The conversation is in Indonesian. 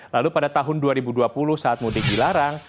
lalu pada tahun dua ribu dua puluh saat mudik dilarang